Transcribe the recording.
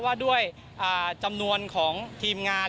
ว่าด้วยจำนวนของทีมงาน